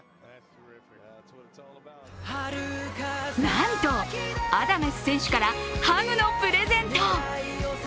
なんと、アダメス選手からハグのプレゼント。